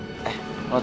bukankah ini sini lost